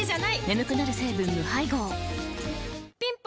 眠くなる成分無配合ぴん